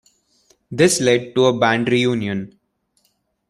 This led to a band reunion.